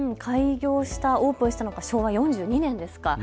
オープンしたのは昭和４２年ですか。